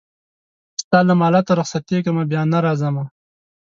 ستا له مالته رخصتېږمه بیا نه راځمه